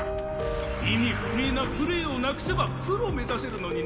意味不明なプレーをなくせばプロ目指せるのにな。